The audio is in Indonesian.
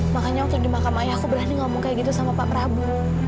makanya waktu di makam ayah aku berani ngomong kayak gitu sama pak prabowo